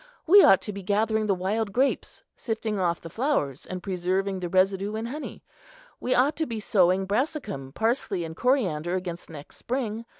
We ought to be gathering the wild grapes, sifting off the flowers, and preserving the residue in honey. We ought to be sowing brassicum, parsley, and coriander against next spring.